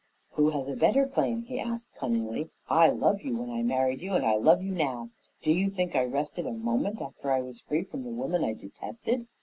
"Who has a better claim?" he asked cunningly. "I loved you when I married you and I love you now. Do you think I rested a moment after I was free from the woman I detested?